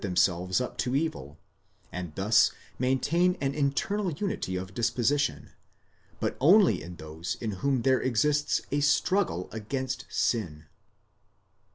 themselves up to evil, and thus maintain an internal unity of disposition, but only in those in whom there exists a struggle against sin.